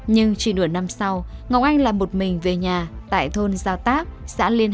nhưng chỉ nửa năm sau ngọc anh là một mình về nhà tại thôn gia tác xã liên hà